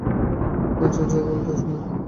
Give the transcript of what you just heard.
আচ্ছা, যা বল তাই শুনব!